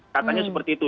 katanya seperti itu